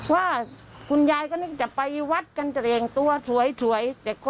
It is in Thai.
ว่าคุณยายก็นึกจะไปวัดกันจะแต่งตัวสวย